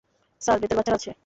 Sir, ভেতরে বাচ্চারা আছে।